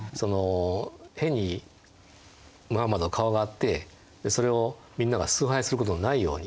変にムハンマドの顔があってそれをみんなが崇拝することがないように。